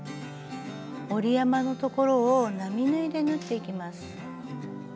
折り山の所を並縫いで縫っていきます。